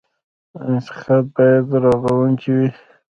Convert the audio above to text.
انتقاد باید رغونکی وي